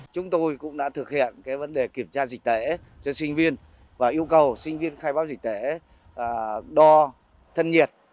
chúng tôi cũng đã thực hiện vấn đề kiểm tra dịch tễ cho sinh viên và yêu cầu sinh viên khai báo dịch tễ đo thân nhiệt